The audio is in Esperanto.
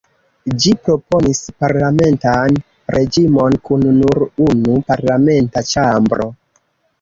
Ĝi proponis parlamentan reĝimon, kun nur unu parlamenta ĉambro.